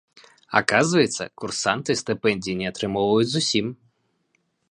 Аказваецца, курсанты стыпендыі не атрымоўваюць зусім.